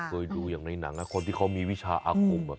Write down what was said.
เคยดูอย่างในหนังนะคนที่เขามีวิชาอาคม